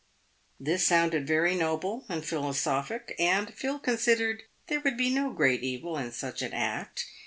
This sounded very noble and philosophic, and Phil considered there would be no great evil in such an act.